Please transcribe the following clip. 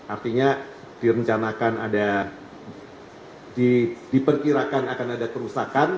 artinya direncanakan ada diperkirakan akan ada kerusakan